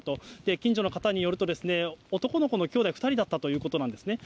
近所の方によると、男の子の兄弟２人だったということなんですね。